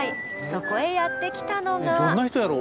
そこへやって来たのが。